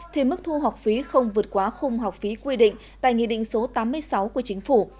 thì mức thu học phí không vượt quá khung học phí quy định tại nghị định số tám mươi sáu của chính phủ